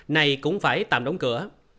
này cũng phải tạm đóng cửa